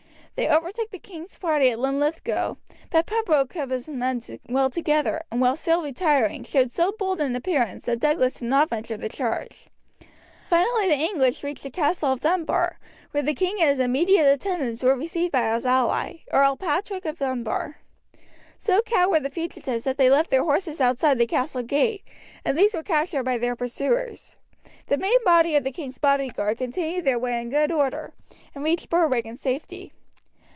They overtook the king's party at Linlithgow, but Pembroke kept his men well together, and while still retiring, showed so bold an appearance that Douglas did not venture to charge. Finally the English reached the Castle of Dunbar, where the king and his immediate attendants were received by his ally, Earl Patrick of Dunbar. So cowed were the fugitives that they left their horses outside the castle gate, and these were captured by their pursuers. The main body of the king's bodyguard continued their way in good order, and reached Berwick in safety.